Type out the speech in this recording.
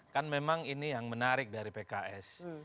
kan memang ini yang menarik dari pks